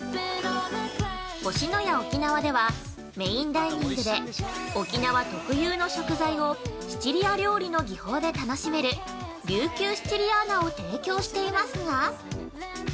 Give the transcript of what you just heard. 星のや沖縄では、メインダイニングで沖縄特有の食材をシチリア料理の技法で楽しめる「琉球シチリアーナ」を提供していますが。